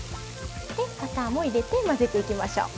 でバターも入れて混ぜていきましょう。